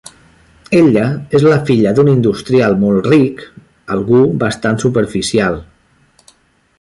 Ella és la filla d'un industrial molt ric, algú bastant superficial.